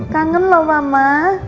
kangen loh mama